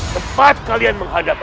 tempat kalian menghadapaku